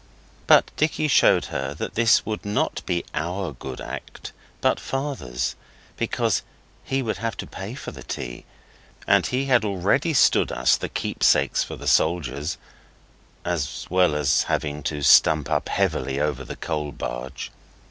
But Dicky showed her that this would not be OUR good act, but Father's, because he would have to pay for the tea, and he had already stood us the keepsakes for the soldiers, as well as having to stump up heavily over the coal barge.